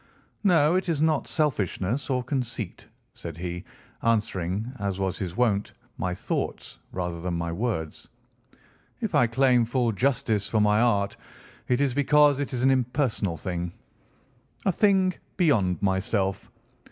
"No, it is not selfishness or conceit," said he, answering, as was his wont, my thoughts rather than my words. "If I claim full justice for my art, it is because it is an impersonal thing—a thing beyond myself.